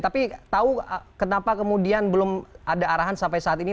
tapi tahu kenapa kemudian belum ada arahan sampai saat ini